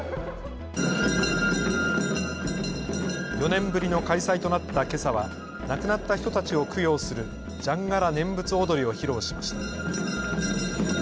４年ぶりの開催となったけさは亡くなった人たちを供養するじゃんがら念仏踊りを披露しました。